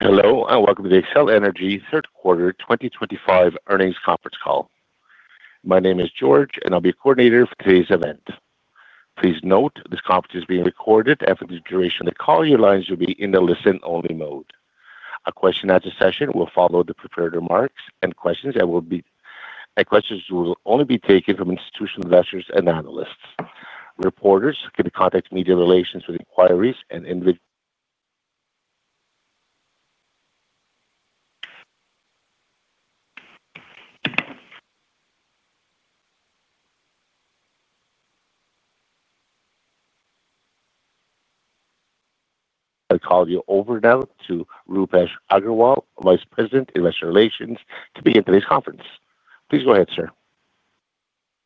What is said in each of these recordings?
Hello and welcome to the Xcel Energy third quarter 2025 earnings conference call. My name is George and I'll be coordinator for today's event. Please note this conference is being recorded and for the duration of the call your lines will be in the listen only mode. A question and answer session will follow the prepared remarks and questions will only be taken from institutional investors and analysts. Reporters can contact Media Relations with inquiries. I'll call you over now to Roopesh Aggarwal, Vice President, Investor Relations to begin today's conference. Please go ahead sir.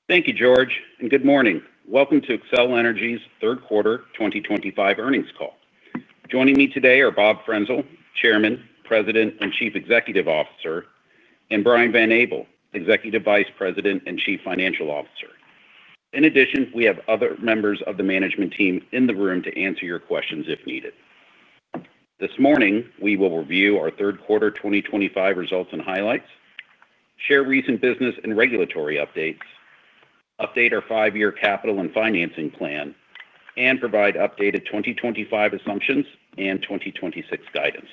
Thank you, George, and good morning. Welcome to Xcel Energy's third quarter 2025 earnings call. Joining me today are Bob Frenzel, Chairman, President and Chief Executive Officer, and Brian Van Abel, Executive Vice President and Chief Financial Officer. In addition, we have other members of the management team in the room to answer your questions if needed. This morning, we will review our third quarter 2025 results and highlights, share recent business and regulatory updates, update our five-year capital and financing plan, and provide updated 2025 assumptions and 2026 guidance.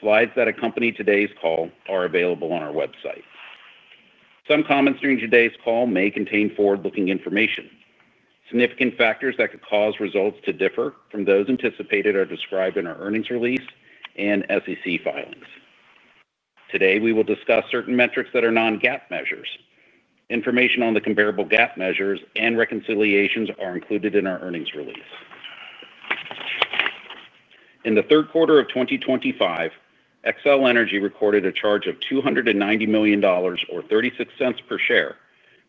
Slides that accompany today's call are available on our website. Some comments during today's call may contain forward-looking information. Significant factors that could cause results to differ from those anticipated are described in our earnings release and SEC filings. Today, we will discuss certain metrics that are non-GAAP measures. Information on the comparable GAAP measures and reconciliations are included in our earnings release. In the third quarter of 2025, Xcel Energy recorded a charge of $290 million, or $0.36 per share,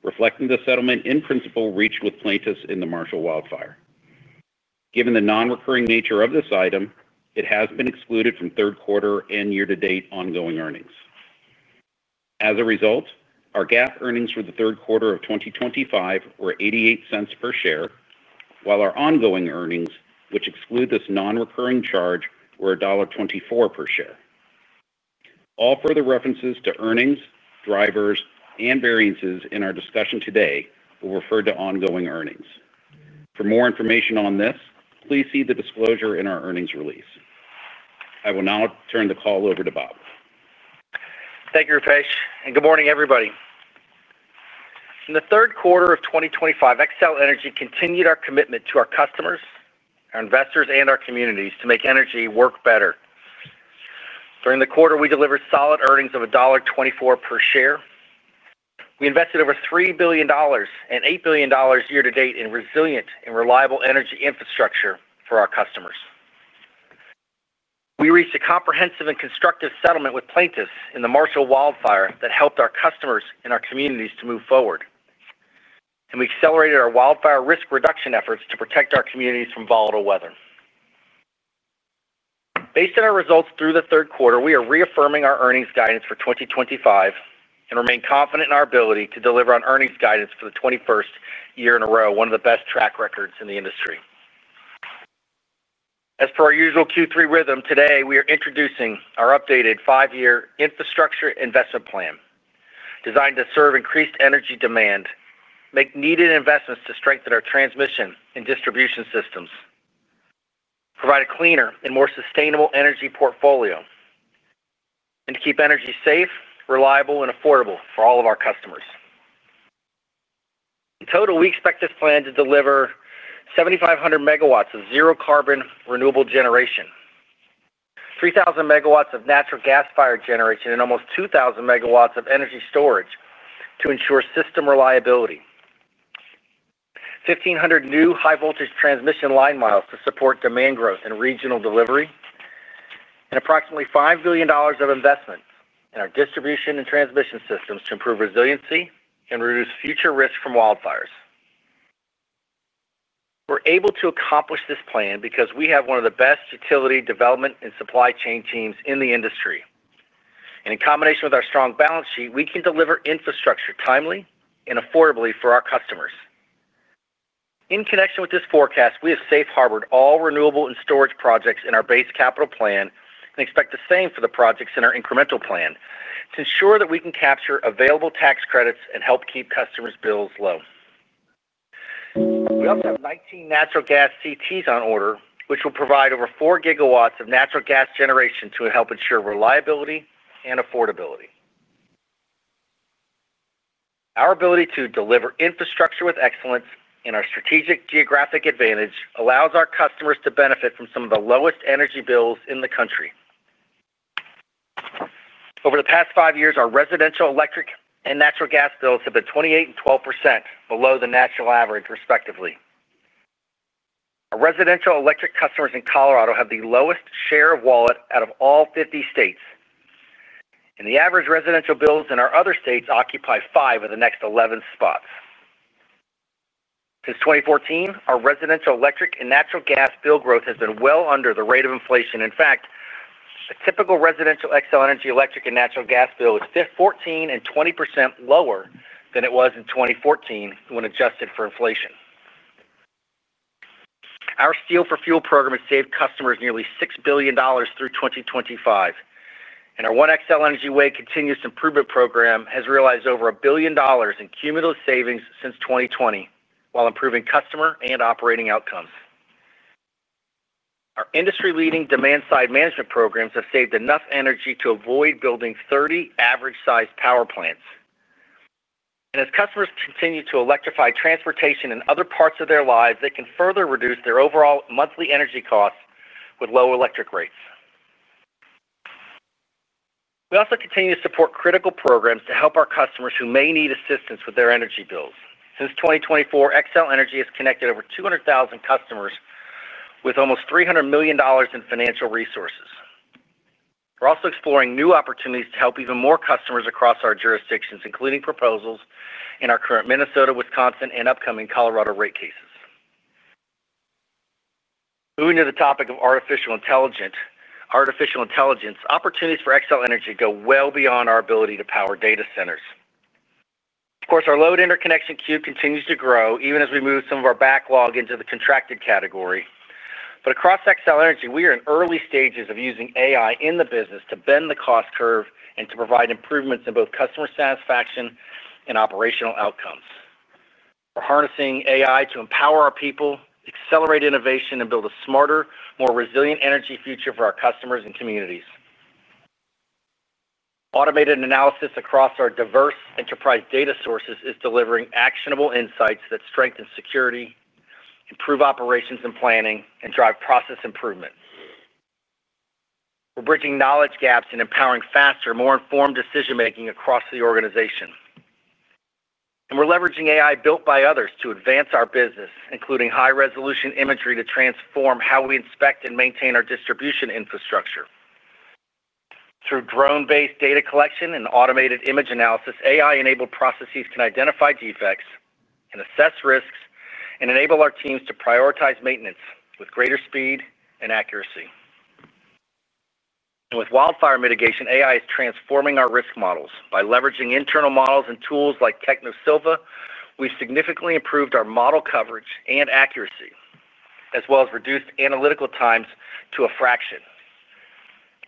reflecting the settlement in principle reached with plaintiffs in the Marshall Wildfire. Given the non-recurring nature of this item, it has been excluded from third quarter and year-to-date ongoing earnings. As a result, our GAAP earnings for the third quarter of 2025 were $0.88 per share, while our ongoing earnings, which exclude this non-recurring charge, were $1.24 per share. All further references to earnings drivers and variances in our discussion today will refer to ongoing earnings. For more information on this, please see the disclosure in our earnings release. I will now turn the call over to Bob. Thank you Roopesh and good morning everybody. In the third quarter of 2025, Xcel Energy continued our commitment to our customers, our investors, and our communities to make energy work better. During the quarter, we delivered solid earnings of $1.24 per share. We invested over $3 billion and $8 billion year to date in resilient and reliable energy infrastructure for our customers. We reached a comprehensive and constructive settlement with plaintiffs in the Marshall Wildfire that helped our customers and our communities to move forward, and we accelerated our wildfire risk reduction efforts to protect our communities from volatile weather. Based on our results through the third quarter, we are reaffirming our earnings guidance for 2025 and remain confident in our ability to deliver on earnings guidance for the 21st year in a row, one of the best track records in the industry. As per our usual Q3 rhythm, today we are introducing our updated 5-year infrastructure investment plan designed to serve increased energy demand, make needed investments to strengthen our transmission and distribution systems, provide a cleaner and more sustainable energy portfolio, and to keep energy safe, reliable, and affordable for all of our customers. In total, we expect this plan to deliver 7,500 MW of zero carbon renewable generation, 3,000 MW of natural gas fired generation, and almost 2,000 MW of energy storage to ensure system reliability, 1,500 new high voltage transmission line miles to support demand growth and regional delivery, and approximately $5 billion of investment in our distribution and transmission systems to improve resiliency and. Reduce future risk from wildfire. We're able to accomplish this plan because we have one of the best utility development and supply chain teams in the industry, and in combination with our strong balance sheet, we can deliver infrastructure timely and affordably for our customers. In connection with this forecast, we have safe harbored all renewable and storage projects in our base capital plan and expect the same for the projects in our incremental plan to ensure that we can capture available tax credits and help keep customers' bills low. We also have 19 natural gas CTs on order, which will provide over 4 GW of natural gas generation to help ensure reliability and affordability. Our ability to deliver infrastructure with excellence and our strategic geographic advantage allows our customers to benefit from some of the lowest energy bills in the country. Over the past five years, our residential electricity and natural gas bills have been 28% and 12% below the national average, respectively. Our residential electric customers in Colorado have the lowest share of wallet out of all 50 states, and the average residential bills in our other states occupy five of the next 11 spots. Since 2014, our residential electric and natural gas bill growth has been well under the rate of inflation. In fact, a typical residential Xcel Energy electric and natural gas bill is 14% and 20% lower than it was in 2014 when adjusted for inflation. Our Steel for Fuel program has saved customers nearly $6 billion through 2025, and our One Xcel Energy Way continuous improvement program has realized over $1 billion in cumulative savings since 2020 while improving customer and operating outcomes. Our industry-leading demand side management programs have saved enough energy to avoid building 30 average-sized power plants. As customers continue to electrify transportation and other parts of their lives, they can further reduce their overall monthly energy costs with low electric rates. We also continue to support critical programs to help our customers who may need assistance with their energy bills. Since 2024, Xcel Energy has connected over 200,000 customers with almost $300 million in financial resources. We're also exploring new opportunities to help even more customers across our jurisdictions, including proposals in our current Minnesota, Wisconsin, and upcoming Colorado rate cases. Moving to the topic of artificial intelligence, artificial intelligence opportunities for Xcel Energy go well beyond our ability to power data centers. Of course, our load interconnection queue continues to grow even as we move some of our backlog into the contracted category. Across Xcel Energy, we are in early stages of using AI in the business to bend the cost curve and to provide improvements in both customer satisfaction and operational outcomes. We're harnessing AI to empower our people, accelerate innovation, and build a smarter, more resilient energy future for our customers and communities. Automated analysis across our diverse enterprise data sources is delivering actionable insights that strengthen security, improve operations and planning, and drive process improvement. We're bridging knowledge gaps and empowering faster, more informed decision making across the organization. We're leveraging AI built by others to advance our business, including high resolution imagery to transform how we inspect and maintain our distribution infrastructure. Through drone-based data collection and automated image analysis, AI-enabled processes can identify defects and assess risks and enable our teams to prioritize maintenance with greater speed and accuracy. With wildfire risk mitigation, AI is transforming our risk models by leveraging internal models and tools like Technosylva. We've significantly improved our model coverage and accuracy as well as reduced analytical times to a fraction.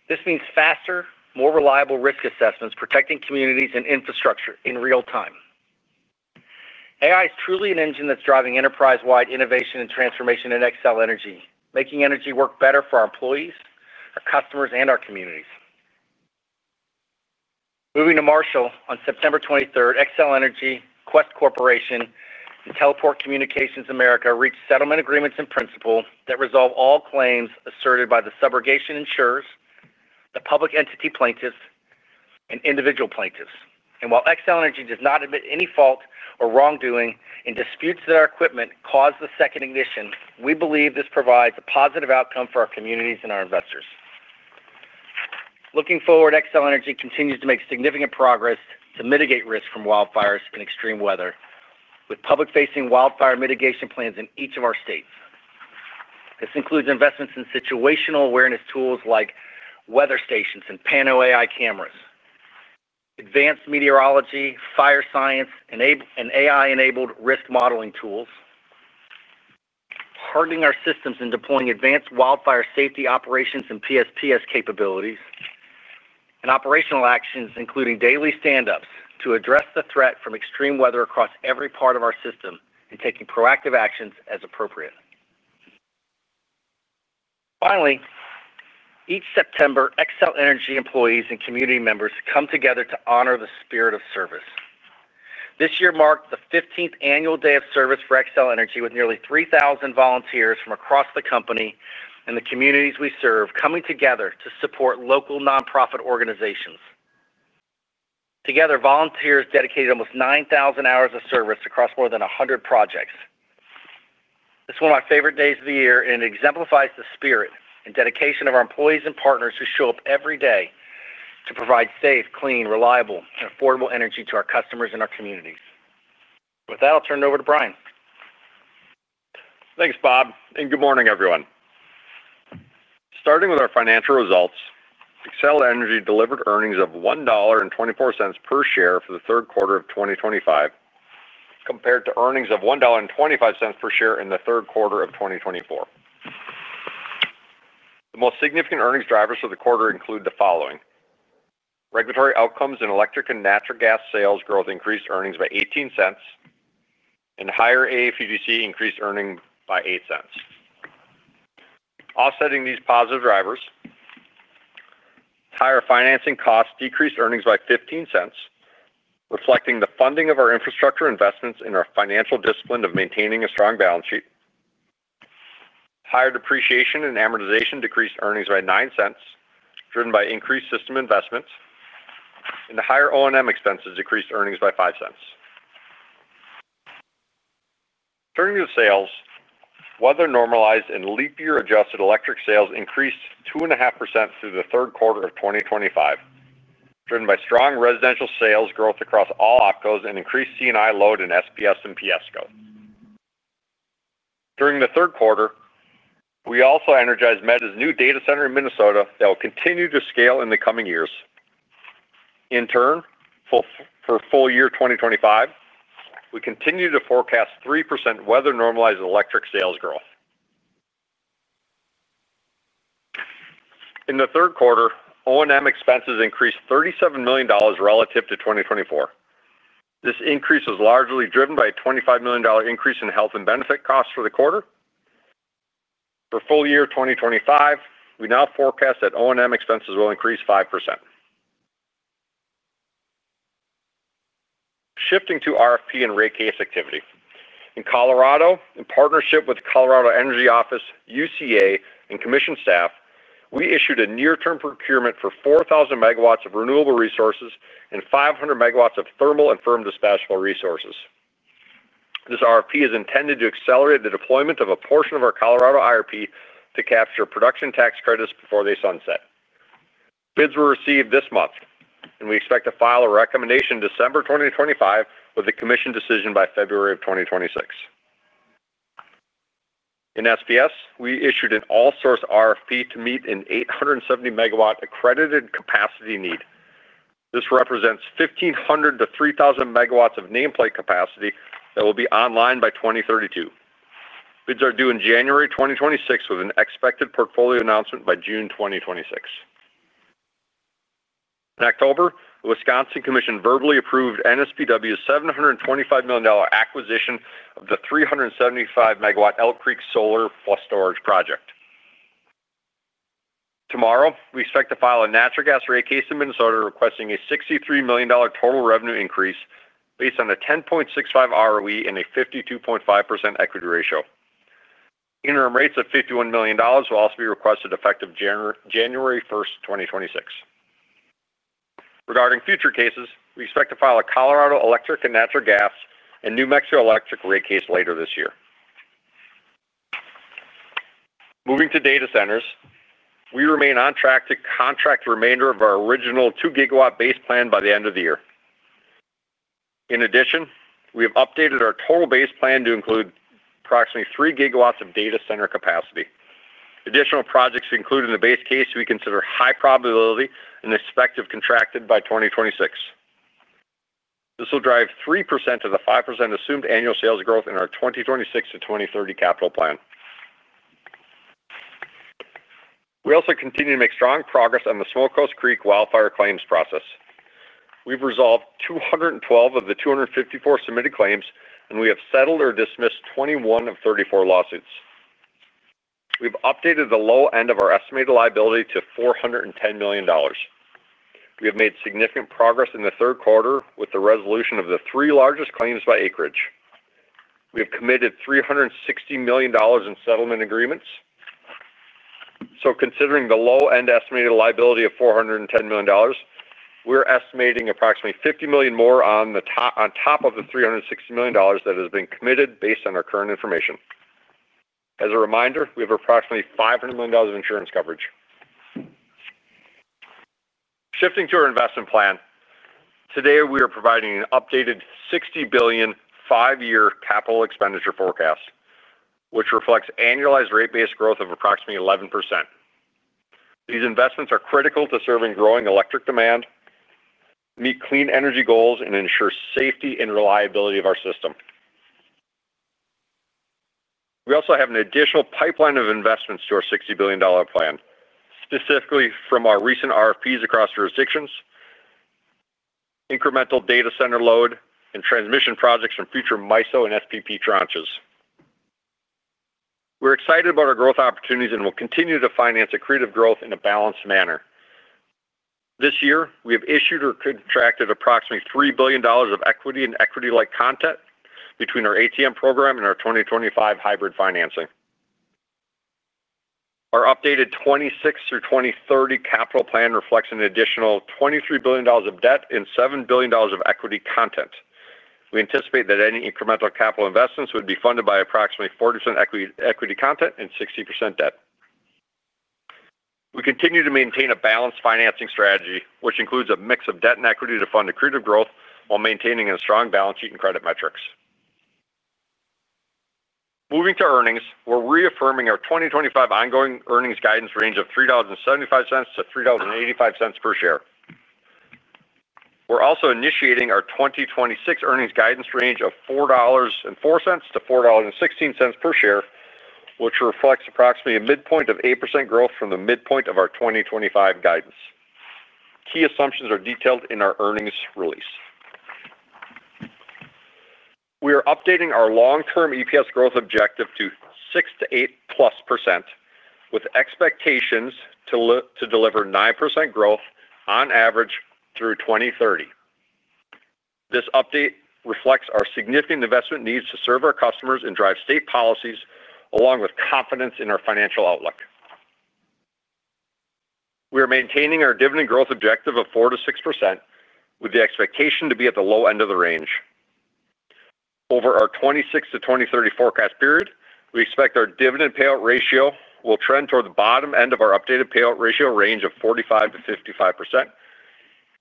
This means faster, more reliable risk assessments protecting communities and infrastructure in real time. AI is truly an engine that's driving enterprise-wide innovation and transformation in Xcel Energy, making energy work better for our employees, our customers, and our communities. Moving to Marshall, on September 23, Xcel Energy, Qwest Corporation, and Teleport Communications America reached settlement agreements in principle that resolve all claims asserted by the subrogation insurers, the public entity plaintiffs, and individual plaintiffs. While Xcel Energy does not admit any fault or wrongdoing in disputes that our equipment caused the second ignition, we believe this provides a positive outcome for our communities and our investors. Looking forward, Xcel Energy continues to make significant progress to mitigate risk from wildfires in extreme weather with public-facing wildfire mitigation plans in each of our states. This includes investments in situational awareness tools like weather stations and Pano AI cameras, advanced meteorology, fire science and AI-enabled risk modeling tools, hardening our systems and deploying advanced wildfire safety operations and PSPS capabilities, and operational actions including daily standups to address the threat from extreme weather across every part of our system and taking proactive actions as appropriate. Finally, each September, Xcel Energy employees and community members come together to honor the spirit of service. This year marked the 15th annual Day of Service for Xcel Energy with nearly 3,000 volunteers from across the company and the communities we serve coming together to support local nonprofit organizations. Together, volunteers dedicated almost 9,000 hours of service across more than 100 projects. This is one of my favorite days of the year and exemplifies the spirit and dedication of our employees and partners who show up every day to provide safe, clean, reliable, and affordable energy to our customers and our communities. With that, I'll turn it over to Brian. Thanks Bob and good morning everyone. Starting with our financial results, Xcel Energy delivered earnings of $1.24 per share for the third quarter of 2025, compared to earnings of $1.25 per share in the third quarter of 2024. The most significant earnings drivers for the quarter include the regulatory outcomes in electric and natural gas sales growth increased earnings by $0.18, and higher AFUDC increased earnings by $0.08, offsetting these positive drivers. Higher. Financing costs decreased earnings by $0.15, reflecting the funding of our infrastructure investments and our financial discipline of maintaining a strong balance sheet. Higher depreciation and amortization decreased earnings by $0.09, driven by increased system investments, and the higher O&M expenses decreased earnings by $0.05. Turning to sales, weather-normalized and leap year adjusted electric sales increased 2.5% through the third quarter of 2025, driven by strong residential sales growth across all OpCos and increased C&I load in SPS and PSCo. During the third quarter, we also energized Meta's new data center in Minnesota that will continue to scale in the coming years. In turn, for full year 2025, we continue to forecast 3% weather-normalized electric sales growth. In the third quarter, O&M expenses increased $37 million relative to 2024. This increase was largely driven by a $25 million increase in health and benefit costs for the quarter. For full year 2025, we now forecast that O&M expenses will increase 5%. Shifting to RFP and rate case activity in Colorado, in partnership with Colorado Energy Office UCA, and Commission staff, we issued a near-term procurement for 4,000 MW of renewable resources and 500 MW of thermal and firm dispatchable resources. This RFP is intended to accelerate the deployment of a portion of our Colorado IRP to capture production tax credits before they sunset. Bids were received this month and we expect to file a recommendation December 2025, with the Commission decision by February of 2026. In SPS, we issued an all-source RFP to meet an 870 MW accredited capacity need. This represents 1,500 MW-3,000 MW of nameplate capacity that will be online by 2032. Bids are due in January 2026, with an expected portfolio announcement by June 2026. In October, the Wisconsin Commission verbally approved NSPW's $725 million acquisition of the 375 MW Elk Creek Solar plus storage project. Tomorrow, we expect to file a natural gas rate case in Minnesota requesting a $63 million total revenue increase based on a 10.65% ROE and a 52.5% equity ratio. Interim rates of $51 million will also be requested effective January 1st, 2026. Regarding future cases, we expect to file a Colorado electric and natural gas and New Mexico electric rate case later this year. Moving to data centers, we remain on track to contract the remainder of our original 2 GW base plan by the end of the year. In addition, we have updated our total base plan to include approximately 3 GW of data center capacity. Additional projects included in the base case we consider high probability and expected contracted by 2026. This will drive 3% of the 5% assumed annual sales growth in our 2026-2030 capital plan. We also continue to make strong progress on the Small Coast Creek Wildfire claims process. We've resolved 212 of the 254 submitted claims, and we have settled or dismissed 21 of 34 lawsuits. We've updated the low end of our estimated liability to $410 million. We have made significant progress in the third quarter with the resolution of the three largest claims by acreage. We have committed $360 million in settlement agreements, so considering the low end estimated liability of $410 million, we're estimating approximately $50 million more on top of the $360 million that has been committed based on our current information. As a reminder, we have approximately $500 million of insurance coverage. Shifting to our investment plan, today we are providing an updated $60 billion five-year capital expenditure forecast, which reflects annualized rate base growth of approximately 11%. These investments are critical to serving growing electric demand, meet clean energy goals, and ensure safety and reliability of our system. We also have an additional pipeline of investments to our $60 billion plan, specifically from our recent RFPs across jurisdictions, incremental data center load, and transmission projects from future MISO and SPP tranches. We're excited about our growth opportunities and will continue to finance accretive growth in a balanced manner. This year we have issued or contracted approximately $3 billion of equity and equity-like content between our ATM program and our 2025 hybrid financing. Our updated 2026 through 2030 capital plan reflects an additional $23 billion of debt and $7 billion of equity content. We anticipate that any incremental capital investments would be funded by approximately 40% equity content and 60% debt. We continue to maintain a balanced financing strategy, which includes a mix of debt and equity to fund accretive growth while maintaining a strong balance sheet and credit metrics. Moving to earnings, we're reaffirming our 2025 ongoing earnings guidance range of $3.75-$3.85 per share. We're also initiating our 2026 earnings guidance range of $4.04-$4.16 per share, which reflects approximately a midpoint of 8% growth from the midpoint of our 2025 guidance. Key assumptions are detailed in our earnings release. We are updating our long-term EPS growth objective to 6%-8%+, with expectations to deliver 9% growth on average through 2030. This update reflects our significant investment needs to serve our customers and drive state policies, along with confidence in our financial outlook. We are maintaining our dividend growth objective of 4%-6%, with the expectation to be at the low end of the range over our 2026-2030 forecast period. We expect our dividend payout ratio will trend toward the bottom end of our updated payout ratio range of 45%-55%,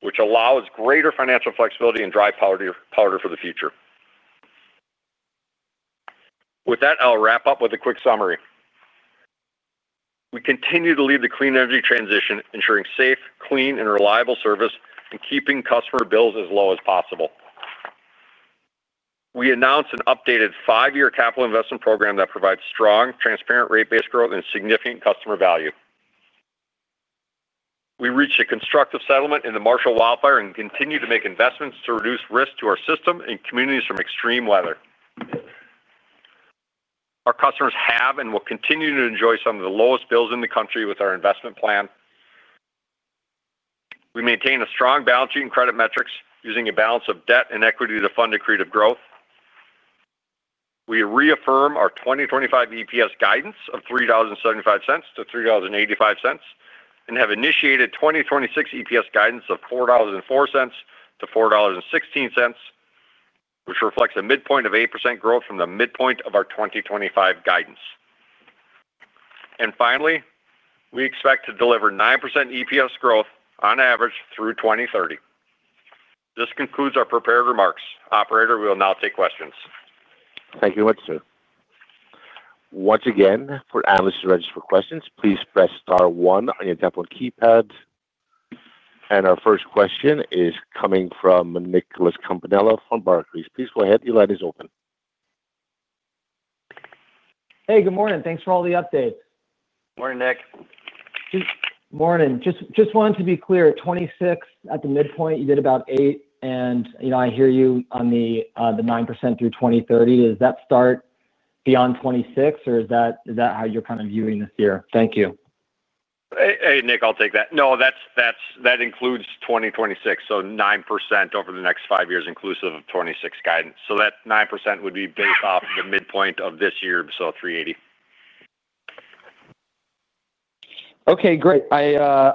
which allows greater financial flexibility and dry powder for the future. With that, I'll wrap up with a quick summary. We continue to lead the clean energy transition, ensuring safe, clean, and reliable service and keeping customer bills as low as possible. We announced an updated five-year capital investment program that provides strong, transparent rate base growth and significant customer value. We reached a constructive settlement in the Marshall Wildfire and continue to make investments to reduce risk to our system and communities from extreme weather. Our customers have and will continue to enjoy some of the lowest bills in the country. With our investment plan, we maintain a strong balance sheet and credit metrics, using a balance of debt and equity to fund accretive growth. We reaffirm our 2025 EPS guidance of $3.75-$3.85 and have initiated 2026 EPS guidance of $4.04-$4.16, which reflects a midpoint of 8% growth from the midpoint of our 2025 guidance. Finally, we expect to deliver 9% EPS growth on average through 2030. This concludes our prepared remarks. Operator, we will now take questions. Thank you, sir. Once again, for analysts to register for questions, please press star one on your tablet keypad. Our first question is coming from Nicholas Campanella from Barclays. Please go ahead. The line is open. Hey, good morning. Thanks for all the updates. Morning, Nick. Morning. Just wanted to be clear, 26 at the midpoint. You did about 8, and you know, I hear you on the 9% through 2030. Does that start beyond 26 or is that how you're kind of viewing this year? Thank you. Hey, Nick, I'll take that. No, that includes 2026, so 9% over the next 5 years inclusive of 2026 guidance. That 9% would be based off the midpoint of this year, so $380. Okay, great. I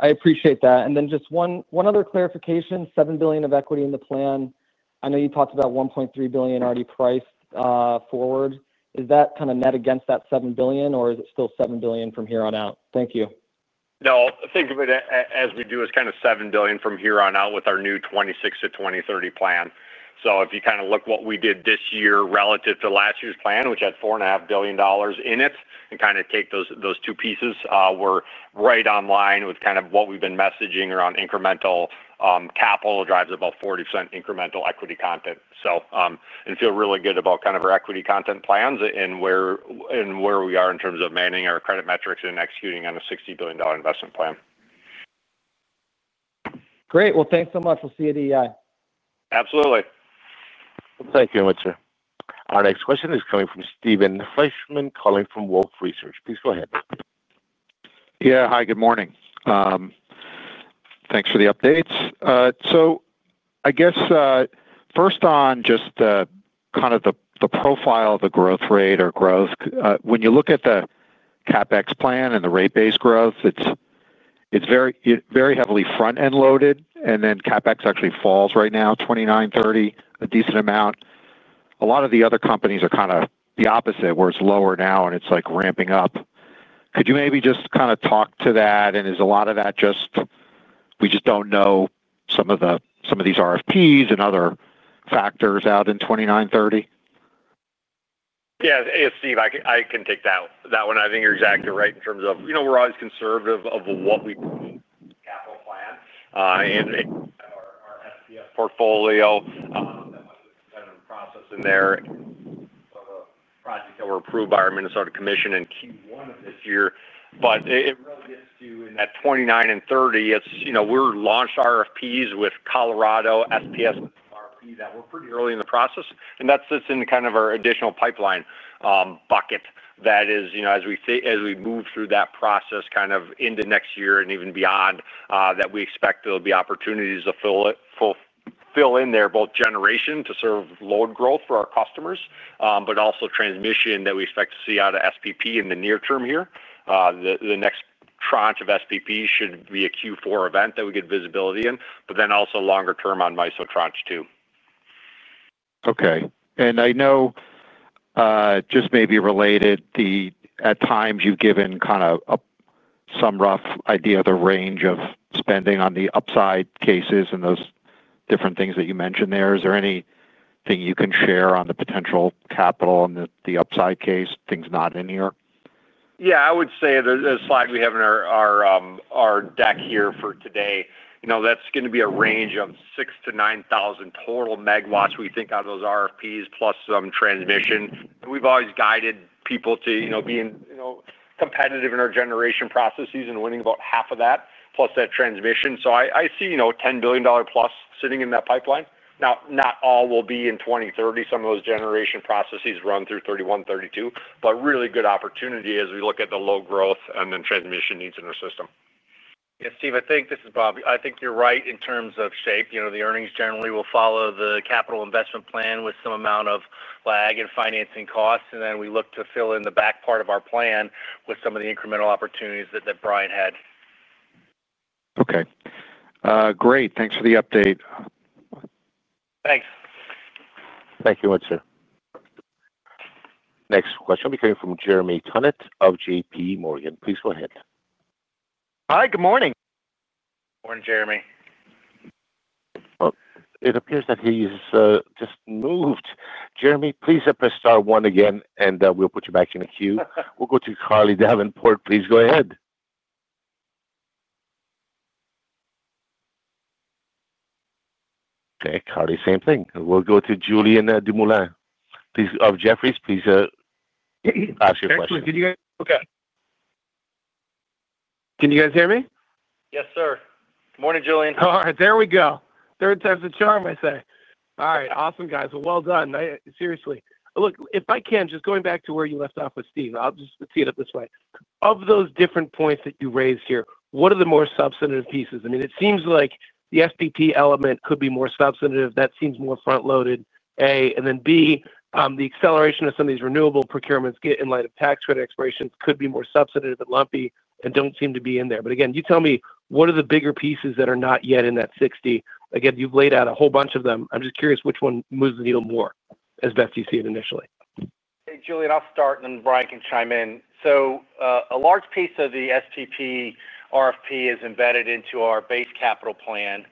appreciate that. Just one other clarification. $7 billion of equity in the plan, I know you talked about $1.3 billion already priced forward. Is that kind of net against that $7 billion, or is it still $7 billion from here on out? Thank you. No, think of it as we do as kind of $7 billion from here on out with our new 2026-2030 plan. If you kind of look what we did this year relative to last year's plan, which had $4.5 billion in it, and kind of take those two pieces, we're right online with kind of what we've been messaging around incremental capital drives, about 40% incremental equity content. So. I feel really good about our equity content plans and where we are in terms of managing our credit metrics and executing on a $60 billion investment plan. Great. Thank you so much. We'll see you at EEI. Absolutely. Thank you. Our next question is coming from Steven Fleischman calling from Wolfe Research. Please go ahead. Yeah, hi. Good morning. Thanks for the updates. I guess first on just kind of the profile of the growth rate or growth. When you look at the CapEx plan and the rate base growth, it's very heavily front-end loaded and then CapEx actually falls right now 2029, 2030 a decent amount. A lot of the other companies are kind of the opposite where it's lower now and it's like ramping up. Could you maybe just kind of talk to that and is a lot of that just we just don't know some of these RFPs and other factors out in 2029, 2030. Yeah, Steve, I can take that one. I think you're exactly right in terms of, you know, we're always conservative of what we capital plan and our SPP portfolio process in there, projects that were approved by our Minnesota commission in Q1. It really gets to in that 2029 and 2030, it's, you know, we've launched RFPs with Colorado, SPS that were pretty early in the process and that sits in kind of our additional pipeline bucket. That is, you know, as we move through that process kind of into next year and even beyond that, we expect there'll be opportunities to fill in there both generation to serve load growth for our customers but also transmission that we expect to see out of SPP in the near term here. The next tranche of SPPs should be a Q4 event that we get visibility in, but then also longer term on MISO tranche too. Okay. I know just maybe related, at times you've given kind of some rough idea of the range of spending on the upside cases and those different things that you mentioned there. Is there anything you can share on the potential capital and the upside case things? Not in here. I would say the slide we have in our deck here for today, you know that's going to be a range of 6,000 to 9,000 total megawatts. We think out of those RFPs plus transmission we've always guided people to being competitive in our generation processes and winning about half of that plus that transmission. I see $10 billion+ sitting in that pipeline. Not all will be in 2030. Some of those generation processes run through 2031, 2032. Really good opportunity as we look at the load growth and then transmission needs in our system. Bob, I think you're right in terms of shape. You know the earnings generally will follow the capital investment plan with some amount of lag and financing costs, and then we look to fill in the back part of our plan with some of the incremental opportunities that Brian had. Okay, great. Thanks for the update. Thanks. Thank you, so much sir. Next question will be coming from Jeremy Tonet of JPMorgan. Please go ahead. Hi, good morning, Jeremy. It appears that he's just moved. Jeremy, please press star one again and we'll put you back in the queue. We'll go to Carly Davenport. Okay, Carly, same thing. We'll go to Julian Dumoulin of Jefferies, please ask your question. Okay. Can you guys hear me? Yes, sir. Good morning, Julian. There we go. Third time's a charm, I say. All right. Awesome guys. Seriously. Look, if I can just go back to where you left off with Steve. I'll just tee it up this way: of those different points that you raised. What are the more substantive pieces? It seems like the SPP element could be more substantive, that seems more front loaded, and then the acceleration of some of these renewable procurements in light of tax credit expirations could be more substantive and lumpy. They don't seem to be in there. You tell me what are the bigger pieces that are not yet in that 60? You've laid out a whole bunch of them. I'm just curious which one moves the needle more as best you see it initially. Julian, I'll start and then Brian can chime in. A large piece of the SPP RFP is embedded into our base capital plan.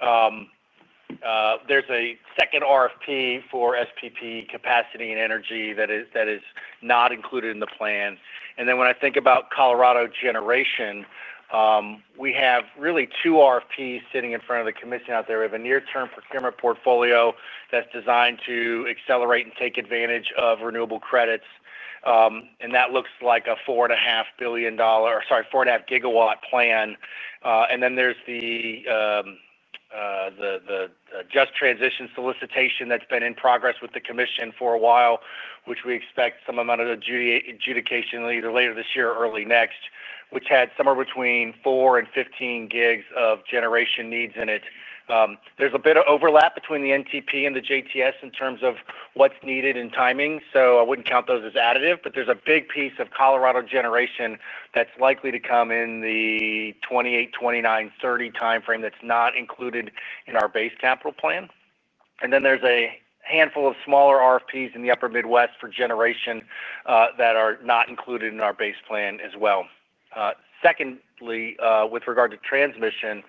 There's a second RFP for SPP capacity and energy that is not included in the plan. When I think about Colorado generation, we have really two RFPs sitting in front of the commission out there. We have a near term procurement portfolio that's designed to accelerate and take advantage of renewable credits. That looks like a $4.5 billion, sorry, 4.5 GW plan. There's the just transition solicitation that's been in progress with the commission for a while, which we expect some amount of adjudication either later this year or early next, which had somewhere between 4 GW and 15 GW of generation needs in it. There's a bit of overlap between the NTP and the JTS in terms of what's needed and timing. I wouldn't count those as additive. There's a big piece of Colorado generation that's likely to come in the 2028, 2029, 2030 timeframe that's not included in our base capital plan. There's a handful of smaller RFPs in the Upper Midwest for generation that are not included in our base plan as well. Secondly, with regard to transmission,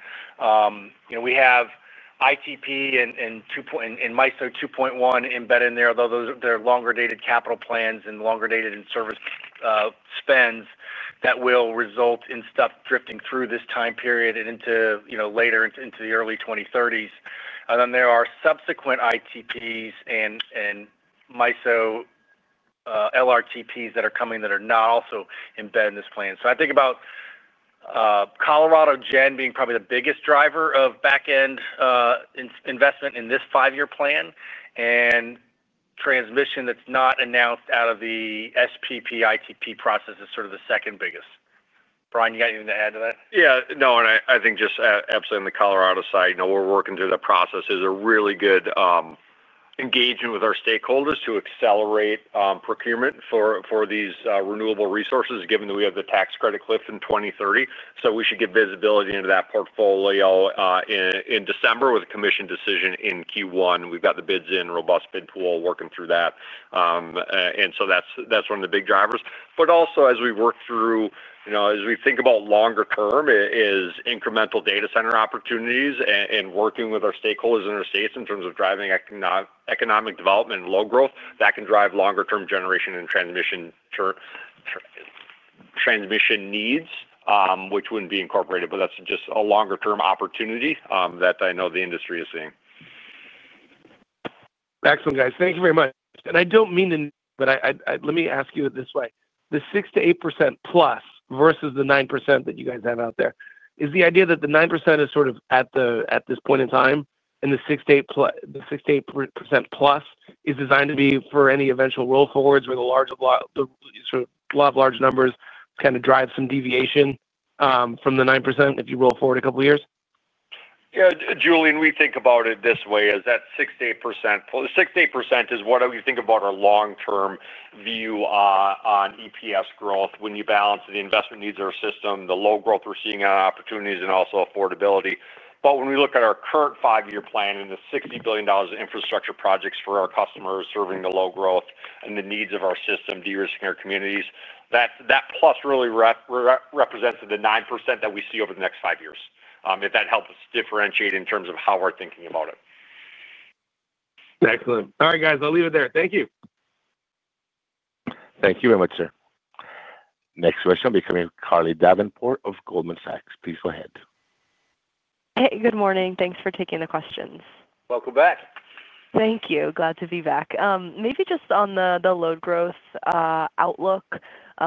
we have ITP and MISO 2.1 embedded in there, although they're longer dated capital plans and longer dated service spends that will result in stuff drifting through this time period and into later into the early 2030s. There are subsequent ITPs and MISO LRTPs that are coming that are not also embedded in this plan. I think about Colorado generation being probably the biggest driver of backend investment in this five-year plan, and transmission that's not announced out of the SPP ITP process is sort of the second biggest. Brian, you got anything to add to that? No, I think just absolutely on the Colorado side, we're working through the process. It's a really good engagement with our stakeholders to accelerate procurement for these renewable resources, given that we have the tax credit cliff in 2030. We should get visibility into that portfolio in December with a commission decision in Q1. We've got the bids in, robust bid pool, working through that. That's one of the big drivers. Also, as we think about longer term, it's incremental data center opportunities and working with our stakeholders in our states in terms of driving economic development, load growth that can drive longer term generation and transmission needs, which wouldn't be incorporated. That's just a longer term opportunity that I know the industry is seeing. Excellent, guys, thank you very much. I don't mean to, but I. Let me ask you it this way. The 6%-8%+ versus the. 9% that you guys have out there. Is the idea that the 9% is. At this point. In time, and the 6%-8%+ is designed to be for any eventual roll forwards where the large sort of large numbers kind of drive some deviation from the 9% if you roll forward a couple years. Yeah, Julian, we think about it this way is that 6%-8%. 6%-8% is whatever you think about our long-term view on EPS growth. When you balance the investment needs of our system, the load growth we're seeing on opportunities and also affordability. When we look at our current five-year plan and the $60 billion infrastructure projects for our customers serving the load growth and the needs of our system, de-risking our communities, that plus really represents the 9% that we see over the next five years. If that helps differentiate in terms of how we're thinking about it. Excellent. All right, guys, I'll leave it there. Thank you. Thank you very much, sir. Next question will be coming from Carly Davenport of Goldman Sachs. Please go ahead. Good morning. Thanks for taking the questions. Welcome back. Thank you. Glad to be back. Maybe just on the load growth outlook,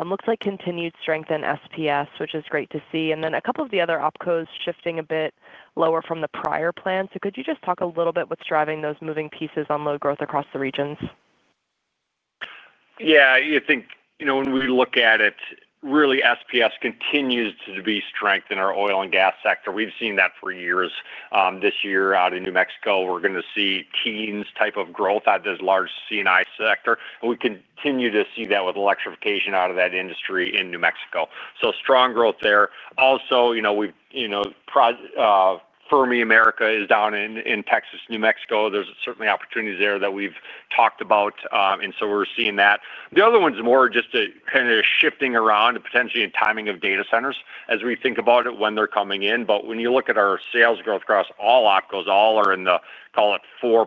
looks like continued strength in SPS, which is great to see. A couple of the other OpCos shifting a bit lower from the prior plan. Could you just talk a little bit, what's driving those moving pieces on load growth across the regions? When we look at it really, SPS continues to be strength in our oil and gas sector. We've seen that for years. This year out in New Mexico we're going to see key teens type of growth at this large C&I sector. We continue to see that with electrification out of that industry in New Mexico. Strong growth there. Also, Fermi America is down in Texas, New Mexico, there's certainly opportunities there that we've talked about. We're seeing that the other one's more just a kind of shifting around potentially in timing of data centers as we think about it, when they're coming in. When you look at our sales growth across all OpCos, all are in the, call it, 4%,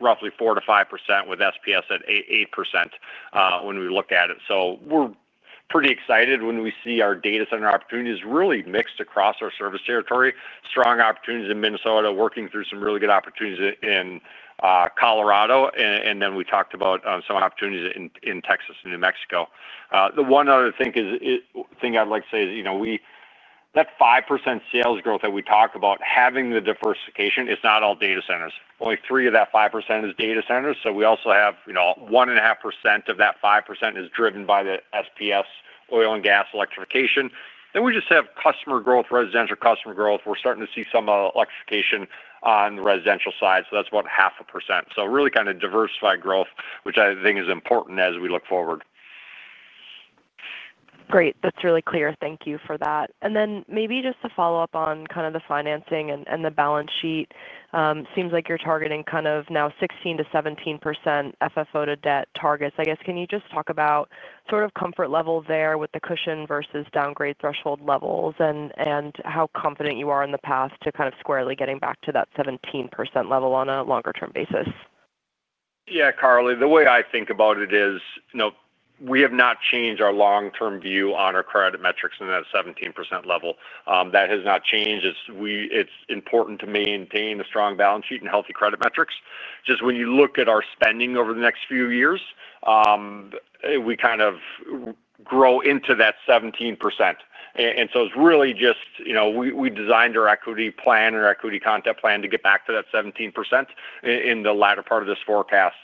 roughly 4%-5% with SPS at 8% when we look at it. We're pretty excited when we see our data center opportunities really mixed across our service territory. Strong opportunities in Minnesota, working through some really good opportunities in Colorado. We talked about some opportunities in Texas and New Mexico. The one other thing I'd like to say is, that 5% sales growth that we talk about having the diversification, it's not all data centers. Only three of that 5% is data centers. We also have 1.5% of that 5% is driven by the SPS, oil and gas electrification. Then we just have customer growth, residential customer growth. We're starting to see some electrification on the residential side. That's about half a percent. Really kind of diversified growth which I think is important as we look forward to. Great, that's really clear. Thank you for that. Maybe just to follow up on kind of the financing and the balance sheet, seems like you're targeting kind of now 16%-17% FFO to debt targets, I guess. Can you just talk about sort of comfort level there with the cushion versus downgrade threshold levels and how confident you are in the path to kind of squarely getting back to that 17% level on a longer term basis? Yeah, Carly, the way I think about it is we have not changed our long-term view on our credit metrics in that 17% level. That has not changed. It's important to maintain a strong balance sheet and healthy credit metrics. When you look at our spending over the next few years, we kind of grow into that 17%. It's really just we designed our equity plan or equity content plan to get back to that 17% in the latter part of this forecast,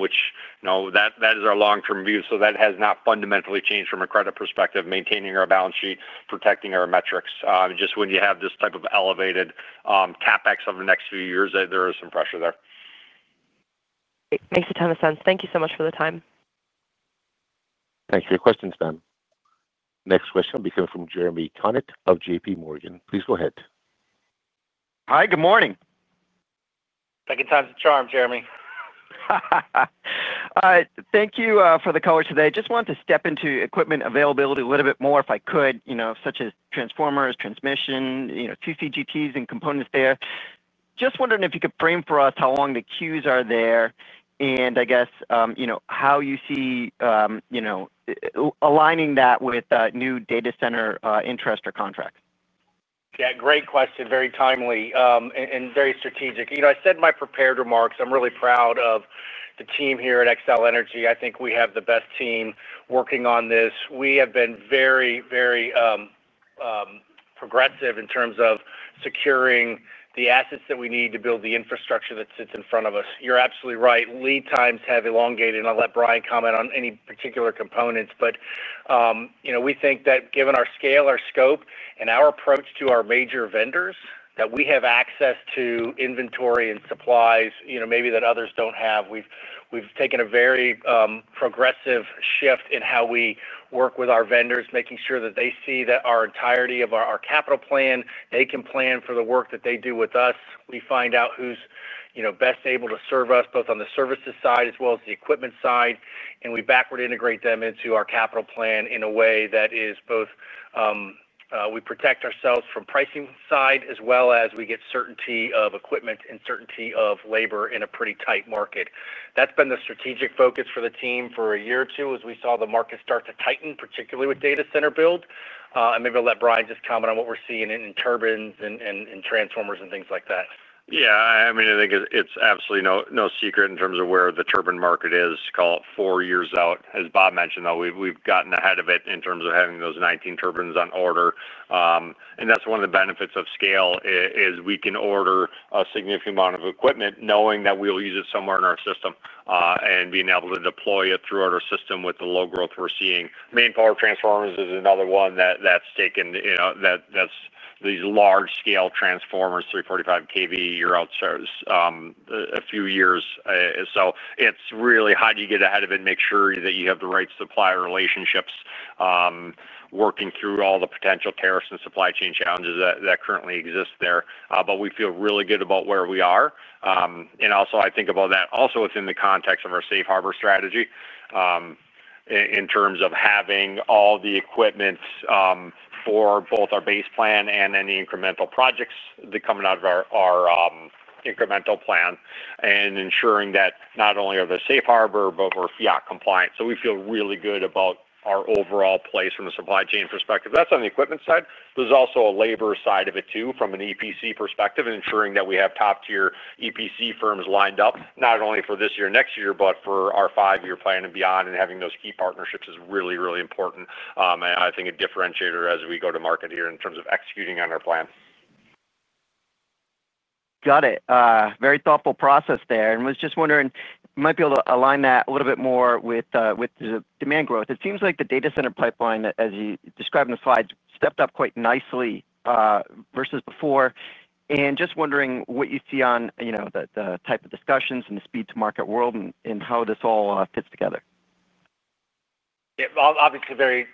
which is our long-term view. That has not fundamentally changed from a credit perspective. Maintaining our balance sheet, protecting our metrics. When you have this type of elevated CapEx over the next few years, there is some pressure there. Makes a ton of sense. Thank you so much for the time. Thank you for your questions, ma'am. Next question will be coming from Jeremy Tonet of JPMorgan. Please go ahead. Hi, good morning. Second time's a charm. Jeremy. Thank you for the color today. Just want to step into equipment availability a little bit more if I could, such as transformers, transmission, two CGTs and components there. Just wondering if you could frame for us how long the queues are there and I guess how you see aligning that with new data center interest or contracts. Yeah, great question. Very timely and very strategic. I said in my prepared remarks I'm really proud of the team here at Xcel Energy. I think we have the best team working on this. We have been very, very progressive in terms of securing the assets that we need to build the infrastructure that sits in front of us. You're absolutely right. Lead times have elongated and I'll let Brian comment on any particular components. We think that given our scale, our scope and our approach to our major vendors that we have access to inventory and supplies, maybe that others don't have. We've taken a very progressive shift in how we work with our vendors, making sure that they see our entirety of our capital plan, they can plan for the work that they do with us. We find out who's best able to serve us both on the services side as well as the equipment side and we backward integrate them into our capital plan in a way that is potential. We protect ourselves from pricing side as well as we get certainty of equipment and certainty of labor in a pretty tight market. That's been the strategic focus for the team for a year or two as we saw the market start to tighten, particularly with data center build. Maybe I'll let Brian just comment on what we're seeing in turbines and transformers and things like that. Yeah, I mean, I think it's absolutely no secret in terms of where the turbine market is. Call it for four years out. As Bob mentioned, though, we've gotten ahead of it in terms of having those 19 turbines on order. That's one of the benefits of scale, as we can order a significant amount of equipment knowing that we'll use it somewhere in our system and being able to deploy it throughout our system with the load growth we're seeing. Main power transformers is another one that's taken, that's these large scale transformers, 345 kV a year, out for a few years. It's really how do you get ahead of it? Make sure that you have the right supplier relationships, working through all the potential tariffs and supply chain challenges that currently exist there. We feel really good about where we are, and also I think about that also within the context of our safe harbor strategy in terms of having all the equipment for both our base plan and any incremental projects that are coming out of our incremental plan and ensuring that not only are they Safe Harbor but we're FERC compliant. We feel really good about our overall place from a supply chain perspective. That's on the equipment side. There's also a labor side of it too from an EPC perspective and ensuring that we have top tier EPC firms lined up not only for this year, next year, but for our five-year plan and beyond. Having those key partnerships is really, really important and I think a differentiator as we go to market here in terms of executing on our plan. Got it, very thoughtful process there and was just wondering might be able to align that a little bit more with demand growth. It seems like the data center pipeline as you described in the slide stepped up quite nicely versus before and just wondering what you see on the type of discussions and the speed to market world and how this all fits together. Obviously very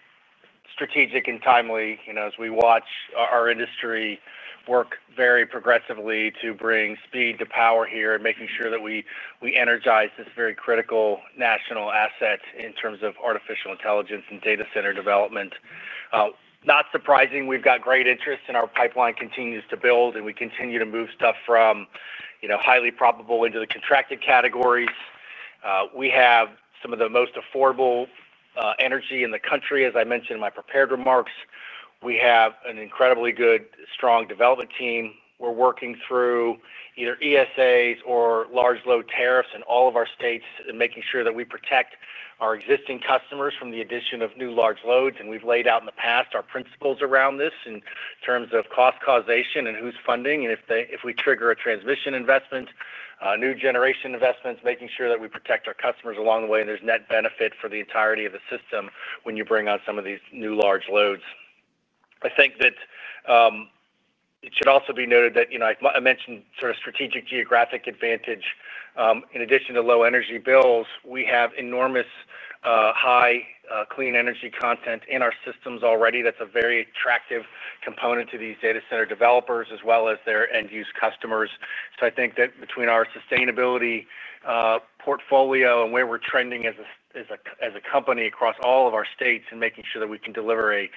strategic and timely. As we watch our industry work very progressively to bring speed to power here and making sure that we energize this very critical national asset in terms of artificial intelligence and data center development. Not surprising. We've got great interest and our pipeline continues to build and we continue to move stuff from highly probable into the contracted categories. We have some of the most affordable energy in the country. As I mentioned in my prepared remarks, we have an incredibly good strong development team. We're working through either ESAs or large-load tariffs in all of our states and making sure that we protect our existing customers from the addition of new large loads. We've laid out in the past our principles around this in terms of cost causation and who's funding and if we trigger a transmission investment, new generation investments, making sure that we protect our customers along the way and there's net benefit for the entirety of the system when you bring on some of these new large loads. I think that it should also be noted that I mentioned sort of strategic geographic advantage in addition to low energy bills, we have enormous high clean energy content in our systems already. That's a very attractive component to these data center developers as well as their end use customers. I think that between our sustainability portfolio and where we're trending as a company across all of our states and making sure that we can deliver a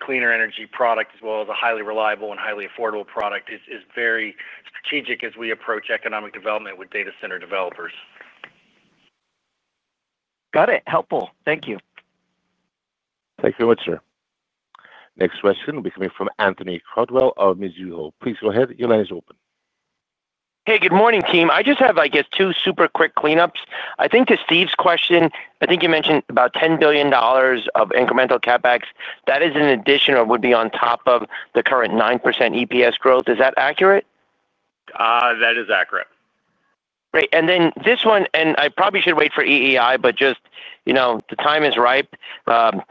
cleaner energy product as well as a highly reliable and highly affordable product is very strategic as we approach economic development with data center developers. Got it. Helpful. Thank you. Thank you very much, sir. Next question will be coming from Anthony Crowdell of Mizuho. Please go ahead, your line is open. Hey, good morning team. I just have, I guess, two super quick cleanups. I think to Steve's question, I think you mentioned about $10 billion of incremental CapEx that is in addition or would be on top of the current 9% EPS growth. Is that accurate? That is accurate. Great. I probably should wait for EEI, but just, you know, the time is ripe. Currently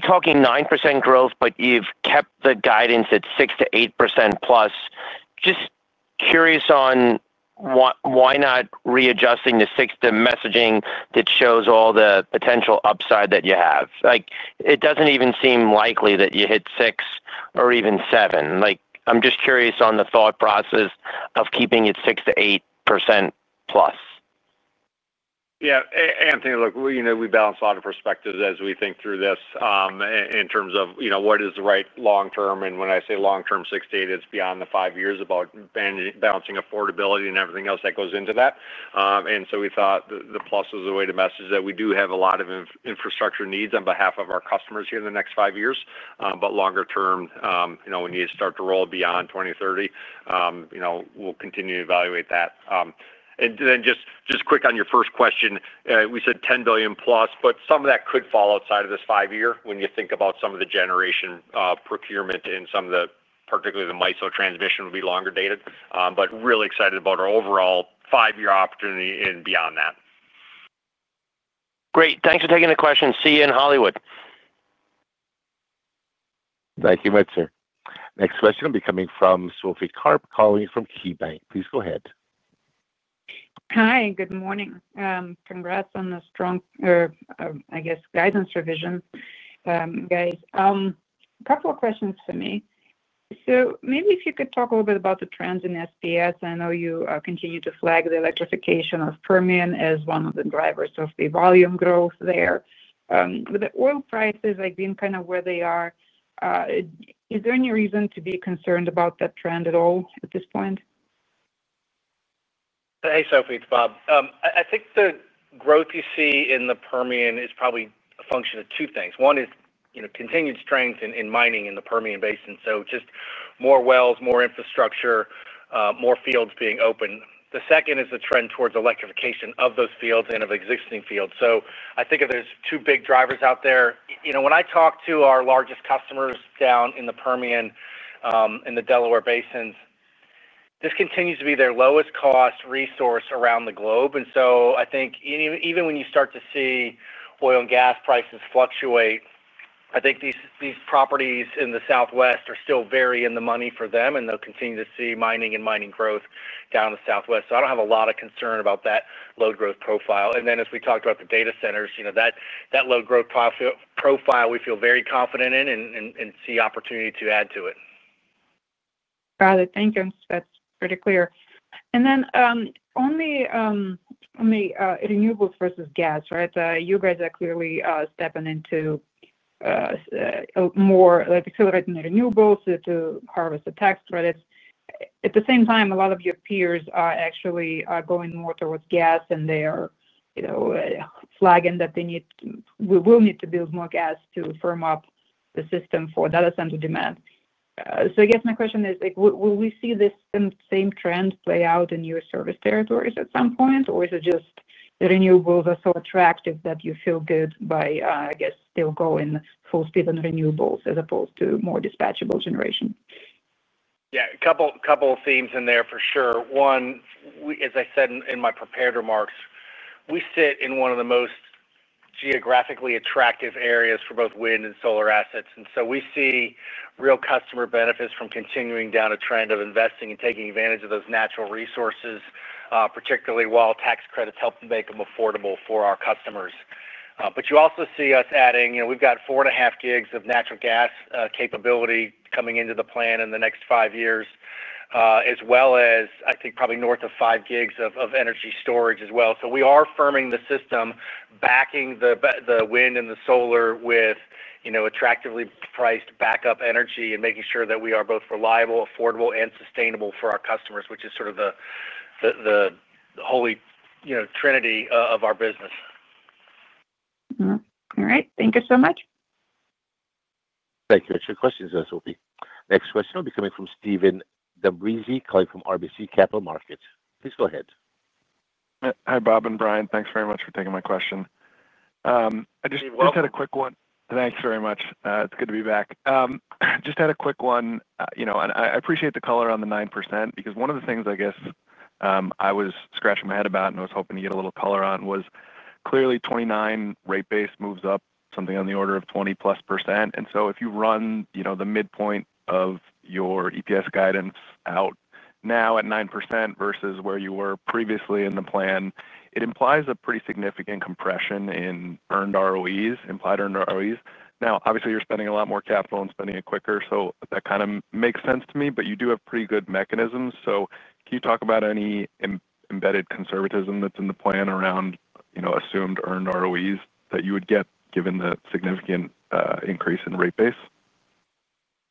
talking 9% growth, but you've kept the guidance at 6%-8% plus. Just curious on why not readjusting the 6%, the messaging that shows all the potential upside that you have. Like it doesn't even seem likely that you hit 6% or even 7%. I'm just curious on the thought process of keeping it 6%-8% plus. Yeah, Anthony, look, you know we balance a lot of perspectives as we think through this in terms of, you know, what is the right long term, and when I say long term, six to eight, it's beyond the five years about balancing affordability and everything else that goes into that. We thought the plus is a way to message that we do have a lot of infrastructure needs on behalf of our customers here in the next five years. Longer term, you know we need to start to roll beyond 2030. You know we'll continue to evaluate that. Just quick on your first question, we said $10 billion+, but some of that could fall outside of this five year. When you think about some of the generation procurement and some of the, particularly the MISO transmission, will be longer dated, but really excited about our overall five year opportunity and beyond that. Great. Thanks for taking the question. See you in Hollywood. Thank you, sir. Next question will be coming from Sophie Karp calling from KeyBanc. Please go ahead. Hi, good morning. Congrats on the strong, I guess, guidance revision. Couple of questions for me. If you could talk a little bit about the trends in SPS. I know you continue to flag the electrification of the Permian as one of the drivers of the volume growth there. With the oil prices being kind of where they are, is there any reason to be concerned about that trend at all at this point? Hey Sophie, it's Bob. I think the growth you see in the Permian is probably a function of two things. One is continued strength in mining in the Permian Basin, just more wells, more infrastructure, more fields being open. The second is the trend towards electrification of those fields and of existing fields. I think there's two big drivers out there. When I talk to our largest customers down in the Permian in the Delaware basins, this continues to be their lowest cost resource around the globe. I think even when you start to see oil and gas prices fluctuate, these properties in the Southwest are still very in the money for them and they'll continue to see mining and mining growth down the Southwest. I don't have a lot of concern about that load growth profile. As we talked about the data centers, that load growth profile we feel very confident in and see opportunity to add to it. Got it, thank you. That's pretty clear. Then only renewables versus gas, right? You guys are clearly stepping into more, accelerating the renewables to harvest the tax credits. At the same time, a lot of your peers are actually going more towards gas, and they are flagging that we will need to build more gas to firm up the system for data center demand. I guess my question is, will we see this same trend play out in your service territories at some point, or is it just the renewables are so attractive that you feel good by, I guess, still going full speed in renewables as opposed to more dispatchable generation? Yeah, couple of themes in there for sure. One, as I said in my prepared remarks, we sit in one of the most geographically attractive areas for both wind and solar assets. We see real customer benefits from continuing down a trend of investing and taking advantage of those natural resources, particularly while tax credits help make them affordable for our customers. You also see us adding, you know, we've got 4.5 GW of natural gas capability coming into the plant in the next five years as well as I think probably north of 5 GW of energy storage as well. We are firming the system, backing the wind and the solar with attractively priced backup energy and making sure that we are both reliable, affordable, and sustainable for our customers, which is sort of the holy trinity of our business. All right, thank you so much. Thank you. Next question will be coming from Steven D'Ambrisi calling from RBC Capital Markets. Please go ahead. Hi Bob and Brian, thanks very much for taking my question. I just had a quick one. Thanks very much. It's good to be back. Just had a quick one. I appreciate the color on the 9% because one of the things I guess I was scratching my head about and I was hoping to get a little color on was clearly 2029 rate base moves up something on the order of 20%+. If you run the midpoint of your EPS guidance out now at 9% versus where you were previously in the plan, it implies a pretty significant compression in earned ROEs, implied earned ROEs. Obviously you're spending a lot more capital and spending it quicker, so that kind of makes sense to me. You do have pretty good mechanisms. Can you talk about any embedded conservatism that's in the plan around assumed earned ROEs that you would get given the significant increase in rate base?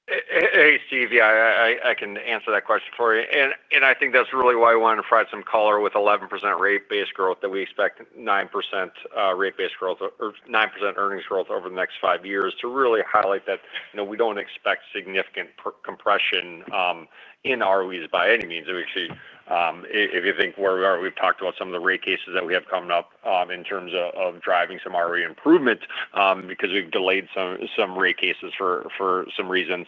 I can answer that question for you and I think that's really why I wanted to provide some color with 11% rate base growth. We expect 9% rate base growth or 9% earnings growth over the next five years to really highlight that. No, we don't expect significant compression in ROEs by any means. If you think where we are, we've talked about some of the rate cases that we have coming up in terms of driving some ROE improvement because we've delayed some rate cases for some reasons.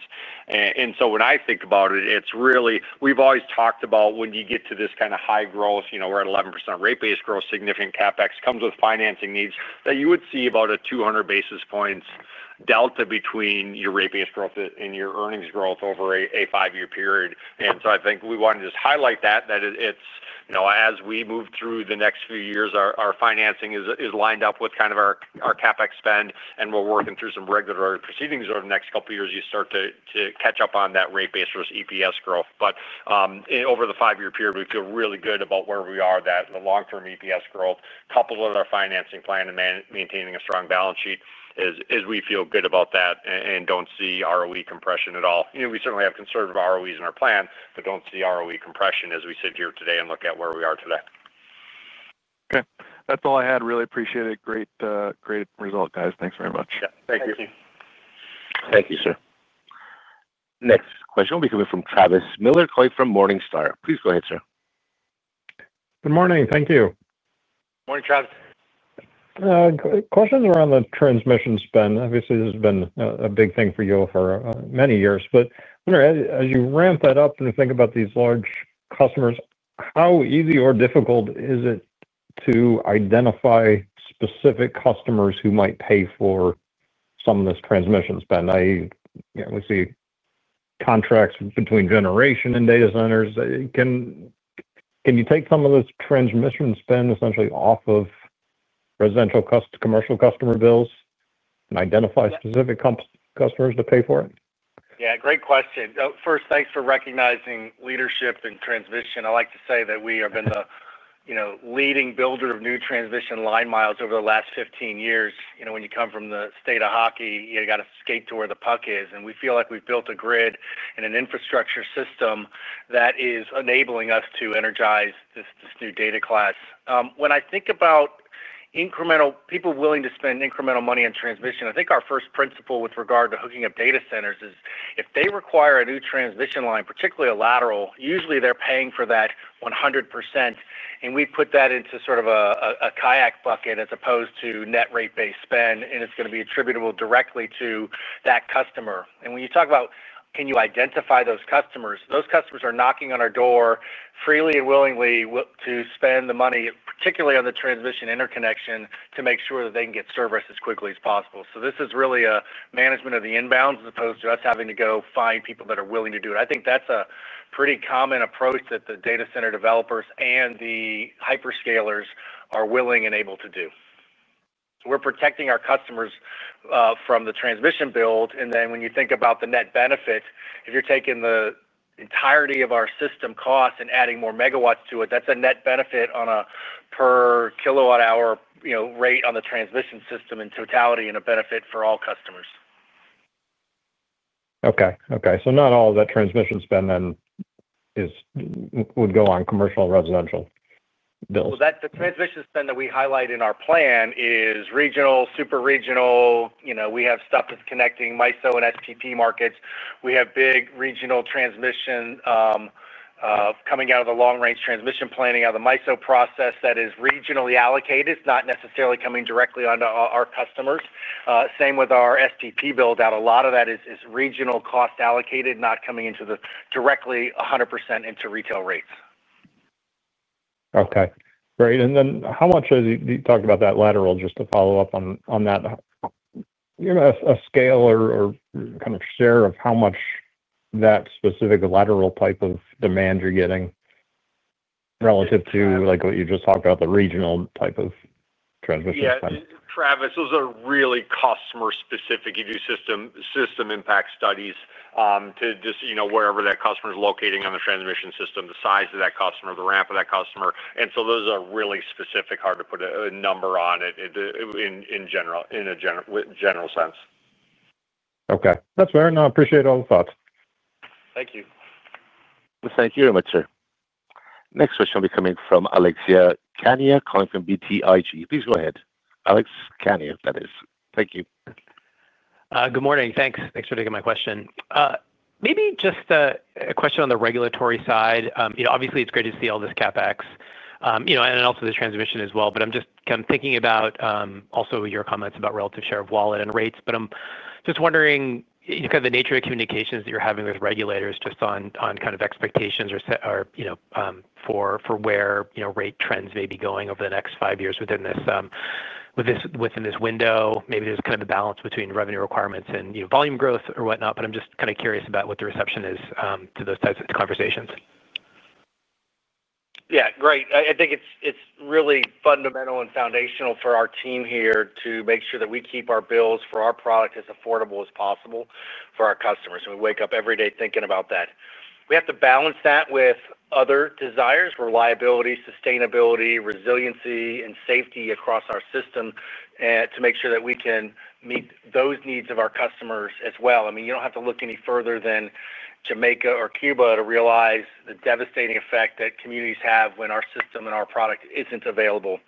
When I think about it, we've always talked about when you get to this kind of high growth, we're at 11% rate base growth. Significant CapEx comes with financing needs that you would see about a 200 basis points delta between your rate base growth and your earnings growth over a five-year period. I think we want to just highlight that as we move through the next few years, our financing is lined up with our CapEx spend and we're working through some regulatory proceedings. Over the next couple years you start to catch up on that rate base versus EPS growth. Over the five-year period we feel really good about where we are, that the long-term EPS growth coupled with our financing plan and maintaining a strong balance sheet is. We feel good about that and don't see ROE compression at all. We certainly have conservative ROEs in our plan, but don't see ROE compression as we sit here today and look at where we are today. Okay, that's all I had. Really appreciate it. Great, great result guys. Thanks very much. Thank you. Thank you, sir. Next question will be coming from Travis Miller calling from Morningstar. Please go ahead, sir. Good morning. Thank you. Morning Travis. Questions around the transmission spend. Obviously this has been a big thing for you for many years, but as you ramp that up and think about these large customers, how easy or difficult is it to identify specific customers who might pay for some of this transmission spend? Yeah, we see contracts between generation and data centers. Can. Can you take some of this transmission spend essentially off of residential, commercial customer bills and identify specific customers to pay for it? Yeah. Great question. First, thanks for recognizing leadership in transmission. I like to say that we have been the, you know, leading builder of new transmission line miles over the last 15 years. When you come from the state of hockey, you got to skate to where the puck is. We feel like we've built a grid and an infrastructure system that is enabling us to energize this new data class. When I think about incremental people willing to spend incremental money on transmission, I think our first principle with regard to hooking up data centers is if they require a new transmission line, particularly a lateral, usually they're paying for that 100%. We put that into sort of a kayak buck as opposed to net rate based spend, and it's going to be attributable directly to that customer. When you talk about can you identify those customers, those customers are knocking on our door freely and willingly to spend the money, particularly on the transmission interconnection to make sure that they can get service as quickly as possible. This is really a management of the inbounds as opposed to us having to go find people that are willing to do it. I think that's a pretty common approach that the distance data center developers and the hyperscalers are willing and able to do. We're protecting our customers from the transmission build. When you think about the net benefit, if you're taking the entirety of our system cost and adding more megawatts to it, that's a net benefit on a per kilowatt hour rate on the transmission system in totality and a benefit for all customers. Okay, so not all that transmission spend then would go on commercial residential bills. The transmission spend that we highlight in our plan is regional, super regional. We have stuff that's connecting MISO and SPP markets. We have big regional transmission coming out of the long range transmission planning out of the MISO process that is regionally allocated. It's not necessarily coming directly onto our customers. Same with our SPP build out, a lot of that is regional cost allocated, not coming into the directly 100% into retail rates. Okay, great. How much as you talked about that lateral, just to follow up on that, a scale or kind of share of how much that specific lateral type of demand you're getting relative to like what you just talked about, the regional type of. Yeah, Travis, those are really customer specific. You do system impact studies to just, you know, wherever that customer is locating on the transmission system, the size of that customer, the ramp of that customer. Those are really specific. Hard to put a number on it in a general sense. Okay, that's fair. I appreciate all the thoughts. Thank you. Thank you very much, sir. Next question will be coming from Alex Kania calling from BTIG. Please go ahead. Alex Kania, that is. Thank you. Good morning. Thanks. Thanks for taking my question. Maybe just a question on the regulatory side. Obviously it's great to see all this CapEx and also the transmission as well. I'm just thinking about also your comments about relative share of wallet and rates. I'm just wondering the nature of communications that you're having with regulators just on kind of expectations for where rate trends may be going over the next five years within this window. Maybe there's kind of a balance between revenue requirements and volume growth or whatnot. I'm just kind of curious about what the reception is to those types of conversations. Yeah, great. I think it's really fundamental and foundational for our team here to make sure that we keep our bills for our product as affordable as possible for our customers. We wake up every day thinking about that. We have to balance that with other desires: reliability, sustainability, resiliency, and safety across our system to make sure that we can meet those needs of our customers as well. You don't have to look any further than Jamaica or Cuba to realize the devastating effect that communities have when our system and our product isn't available.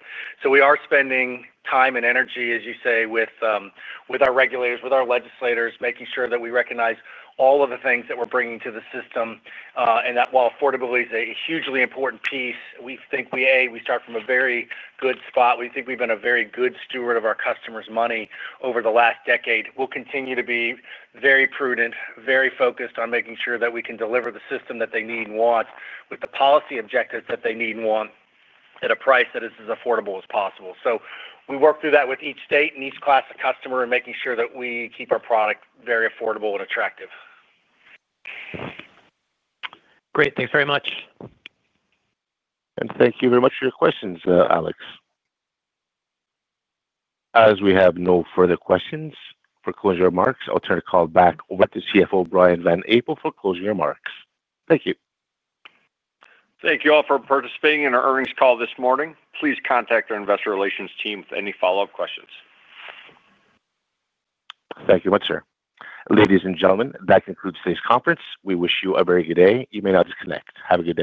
We are spending time and energy, as you say, with our regulators, with our legislators, making sure that we recognize all of the things that we're bringing to the system and that while affordability is a hugely important piece, we think we start from a very good spot. We think we've been a very good steward of our customers' money over the last decade. We'll continue to be very prudent, very focused on making sure that we can deliver the system that they need and want with the policy objectives that they need and want at a price that is as affordable as possible. We work through that with each state and each class of customer, making sure that we keep our product very affordable and attractive. Great. Thanks very much and thank you very. you for your questions, Alex. As we have no further questions for closing remarks, I'll turn the call back over to CFO Brian Van Abel for closing remarks. Thank you. Thank you all for participating in our earnings call this morning. Please contact our Investor Relations team with any follow up questions. Thank you much, sir. Ladies and gentlemen, that concludes today's conference. We wish you a very good day. You may now disconnect. Have a good day.